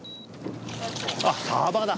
あっサバだ。